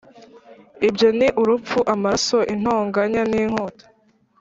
ibyo ni urupfu, amaraso, intonganya, n’inkota,